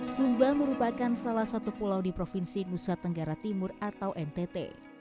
sumba merupakan salah satu pulau di provinsi nusa tenggara timur atau ntt